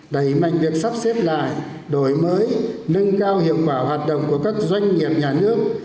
đẩy mạnh việc sắp xếp lại đổi mới nâng cao hiệu quả hoạt động của các doanh nghiệp nhà nước